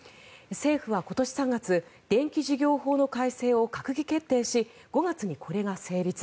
政府は今年３月電気事業法の改正を閣議決定し５月にこれが成立。